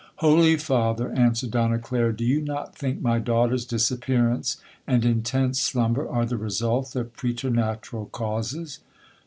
'—'Holy Father!' answered Donna Clara, 'do you not think my daughter's disappearance and intense slumber are the result of preternatural causes?'